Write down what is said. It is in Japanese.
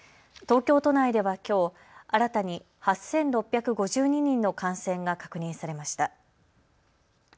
東京都内ではきょう新たに８６５２人の感染が確認されました。